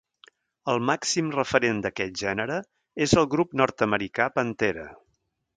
El màxim referent d'aquest gènere és el grup nord-americà Pantera.